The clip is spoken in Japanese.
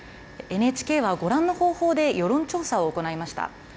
ＮＨＫはご覧の方法で世論調査を行いました。